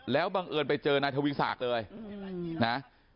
แล้วบังเอิญไปเจอนายทวีศักดิ์เลยนะ